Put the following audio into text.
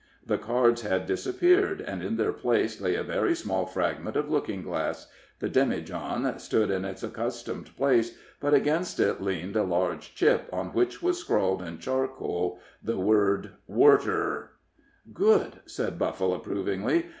The cards had disappeared, and in their place lay a very small fragment of looking glass; the demijohn stood in its accustomed place, but against it leaned a large chip, on which was scrawled, in charcoal, the word Worter. "Good," said Buffle, approvingly.